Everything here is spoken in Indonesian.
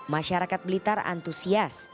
masyarakat blitar antusias